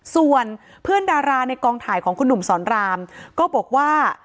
ส่วนเพื่อนดาราในกองถ่ายของคุณหนุ่มสอนรามก็บอกว่า